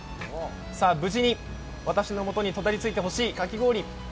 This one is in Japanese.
無事に私の元にたどり着いてほしい、かき氷。